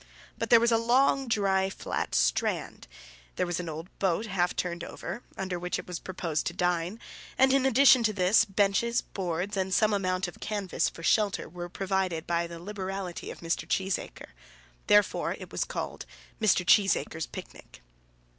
But there was a long, dry, flat strand; there was an old boat half turned over, under which it was proposed to dine; and in addition to this, benches, boards, and some amount of canvas for shelter were provided by the liberality of Mr. Cheesacre. Therefore it was called Mr. Cheesacre's picnic.